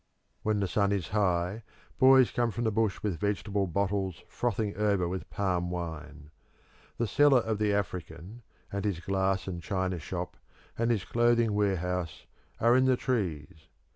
When the sun is high, boys come from the bush with vegetable bottles frothing over with palm wine. The cellar of the African, and his glass and china shop, and his clothing warehouse, are in the trees.